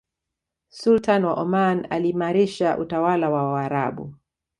sultan wa oman aliimarisha utawala wa waarabu